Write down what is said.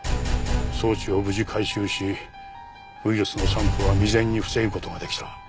装置を無事回収しウイルスの散布は未然に防ぐ事ができた。